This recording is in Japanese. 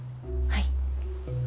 はい。